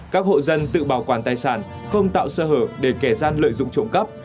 các hộ dân tự bảo quản tài sản không tạo sơ hở để kẻ gian lợi dụng trộm cắp